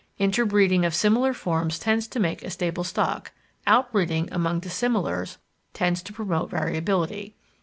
Interbreeding of similar forms tends to make a stable stock; out breeding among dissimilars tends to promote variability.